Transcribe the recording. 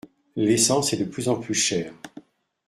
L’essence est de plus en plus chère.